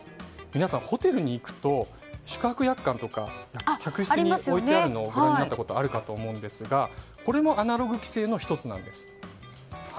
皆さん、ホテルに行くと宿泊約款とか客室に置いてあるのご覧になったかと思いますがこれもアナログ規制の１つです。